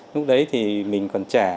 lúc đấy thì mình còn trẻ